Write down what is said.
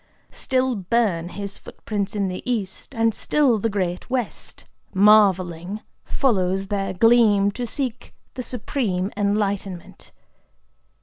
Still burn his footprints in the East; and still the great West, marvelling, follows their gleam to seek the Supreme Enlightenment.